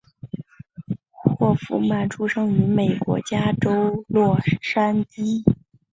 霍夫曼出生于美国加州洛杉矶。